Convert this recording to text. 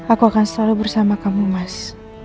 aku akan selalu bersama kamu mas